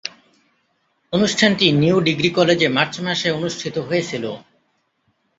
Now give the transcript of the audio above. অনুষ্ঠানটি new degree কলেজে March মাসে অনুষ্ঠিত হয়েছিলো।